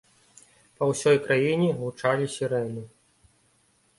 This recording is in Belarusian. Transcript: Па ўсёй краіне гучалі сірэны.